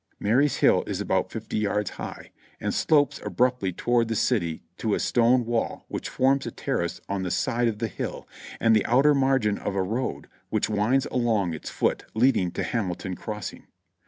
Marye's Hill is about fifty yards high and slopes abruptly to ward the city to a stone wall which forms a terrace on the side of the hill and the outer margin of a road which winds along its foot leading to Hamilton Crossing.